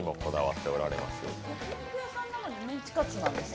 焼き肉屋さんなのにメンチカツなんですね。